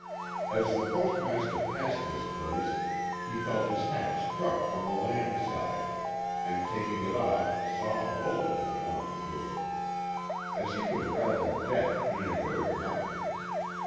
As the Postmaster passed this place he felt his hat struck from the land side, and taking it off saw a bullet had torn through it. As he was rather deaf he had heard nothing.